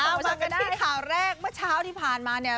มากันที่ข่าวแรกเมื่อเช้าที่ผ่านมาเนี่ย